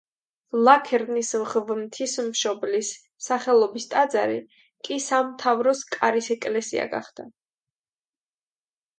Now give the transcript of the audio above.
ვლაქერნის ღვთისმშობლის სახელობის ტაძარი კი სამთავროს კარის ეკლესია გახდა.